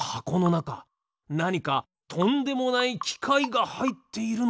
なにかとんでもないきかいがはいっているのでは？